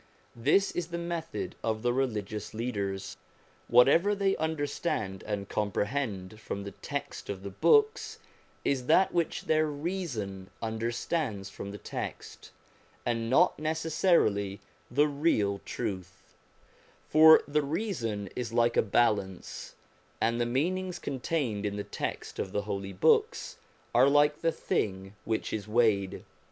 This is the method of the religious leaders; whatever they understand and comprehend from the text of the books, is that which their reason understands from the text, and not necessarily the real truth ; for the reason is like a balance, and the mean ings contained in the text of the Holy Books are like the thing which is weighed.